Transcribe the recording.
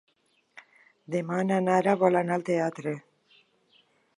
Demà na Nara vol anar al teatre.